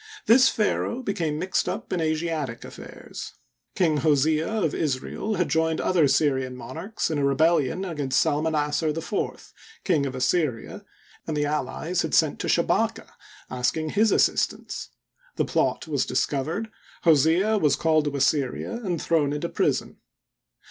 This pharaoh became mixed up in Asiatic affairs. King Hosea, of Israel, had joined other Syrian monarchs in a rebellion against Salmanassar IV, King of Assyria, and the allies had sent to Shabaka, asking his assistance. The plot was discovered, Hosea was called to Assyria and thrown into prison.